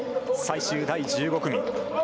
最終第１５組。